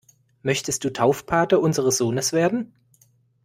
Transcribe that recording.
Möchtest du Taufpate unseres Sohnes werden?